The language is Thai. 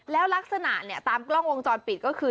แล้วลักษณะเนี่ยตามกล้องวงจรปิดก็คือ